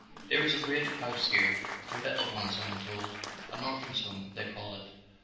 "There is a great house here for little ones I am told, an orphans' home, they call it.